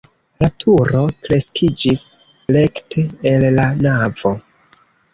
La turo kreskiĝis rekte el la navo.